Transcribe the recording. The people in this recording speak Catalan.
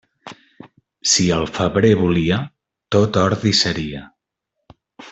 Si el febrer volia, tot ordi seria.